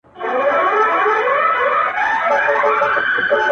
درې ملګري-